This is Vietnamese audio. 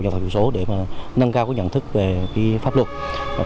nhà phòng chủ số để nâng cao nhận thức về pháp luật